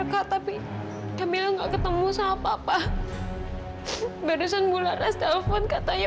sampai jumpa di video selanjutnya